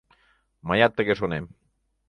Мыят тыге шонем.